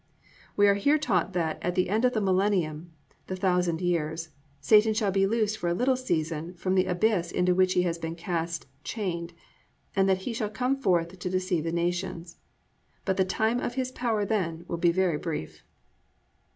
"+ We are here taught that _at the end of the Millennium, the thousand years, Satan shall be loosed for a little season from the abyss into which he has been cast chained, and that he shall come forth to deceive the nations_. But the time of his power then will be very brief.